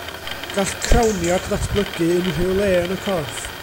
Gall crawniad ddatblygu unrhyw le yn y corff.